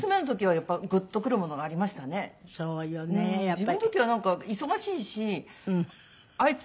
自分の時はなんか忙しいしあいつ